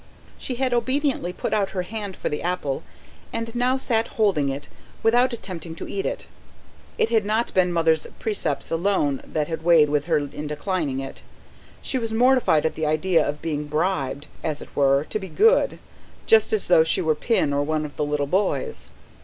She had obediently put out her hand for the apple, and now sat holding it, without attempting to eat it. It had not been Mother's precepts alone that had weighed with her in declining it; she was mortified at the idea of being bribed, as it were, to be good, just as though she were Pin or one of the little boys.